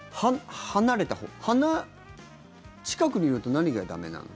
離れたほうが近くにいると何が駄目なの？